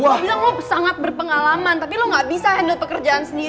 gue bilang lo sangat berpengalaman tapi lo gak bisa handle pekerjaan sendiri